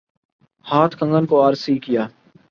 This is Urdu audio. ہاتھ کنگن کو آرسی کیا؟